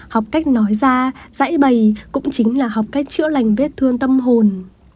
học cách nói ra dãi bày cũng chính là học cách chữa lành vết thương tâm hồn